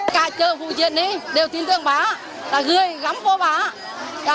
cả trợ vụ chuyện này đều tin tưởng bà gửi gắm cho bà